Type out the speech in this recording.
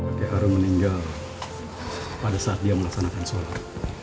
bagi harun meninggal pada saat dia melaksanakan sholat